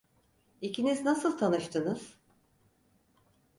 İkiniz nasıl tanıştınız?